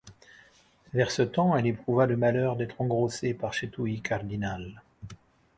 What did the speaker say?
Vers ce temps elle éprouva le malheur d’estre engrossée par cettuy cardinal.